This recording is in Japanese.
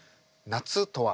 夏とは。